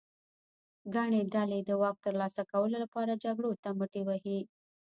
ګڼې ډلې د واک ترلاسه کولو لپاره جګړو ته مټې وهي.